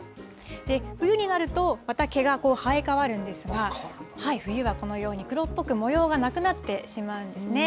冬になると、また毛が生え変わるんですが、冬はこのように黒っぽく、模様がなくなってしまうんですね。